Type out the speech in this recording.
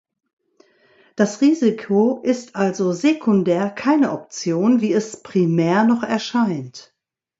Das Risiko ist also sekundär keine Option, wie es primär noch erscheint.